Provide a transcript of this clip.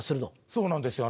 そうなんですよ